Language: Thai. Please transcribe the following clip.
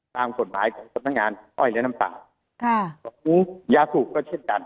ตามส่วนหมายของสนอสัตว์น้ำงานอ้อยและน้ำตาลค่ะยาสุขก็เช่นกัน